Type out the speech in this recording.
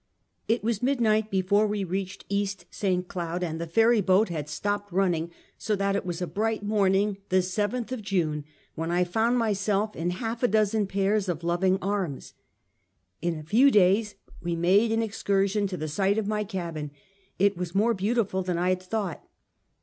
It was midnight before we reached East St. Cloud, and the ferrv boat had stopped running, so that it was a bright morning the 7th of June when I found my self in half a dozen pairs of loving arms. In a few days we made an excursion to the site of my cabin. It was more beautiful than I had thought.